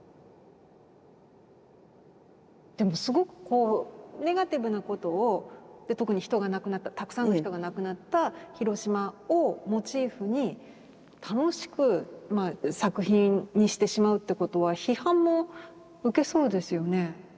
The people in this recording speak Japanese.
でもすごくこうネガティブなことを特に人が亡くなったたくさんの人が亡くなった広島をモチーフに楽しく作品にしてしまうってことは批判も受けそうですよね？